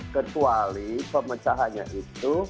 kecuali pemecahannya itu